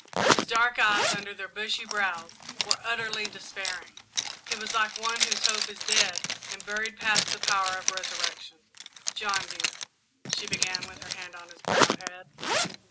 His dark eyes, under their bushy brows, were utterly despairing; he was like one whose hope is dead and buried past the power of resurrection. "John, dear " she began, with her hand on his bowed head.